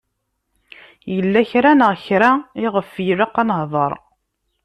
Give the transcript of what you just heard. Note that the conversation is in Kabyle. Yella kra neɣ kra iɣef ilaq ad nehder.